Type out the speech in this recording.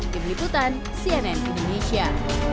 dibeliputan cnn indonesia